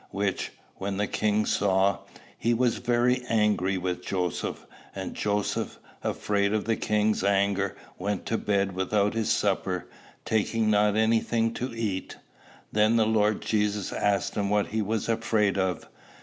Which, when the king saw, he was very angry with Joseph; and Joseph, afraid of the king's anger, went to bed without his supper, taking not any thing to eat. Then the Lord Jesus asked him what he was afraid of.